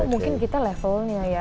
mungkin kita levelnya ya